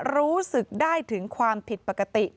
รู้สึกได้ถึงความผิดปกติ